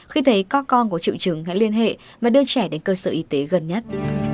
khi thấy các con có triệu chứng hãy liên hệ và đưa trẻ đến cơ sở y tế gần nhất